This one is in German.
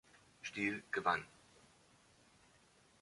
Stil, gewann.